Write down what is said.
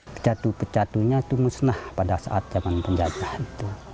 pecatu pecatunya itu musnah pada saat zaman penjajahan itu